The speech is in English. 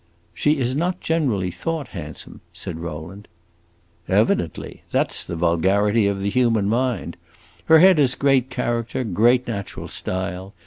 "She is not generally thought handsome," said Rowland. "Evidently! That 's the vulgarity of the human mind. Her head has great character, great natural style.